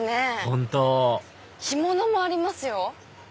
本当干物もありますよ。